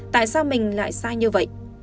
tại sao mình lại sai như vậy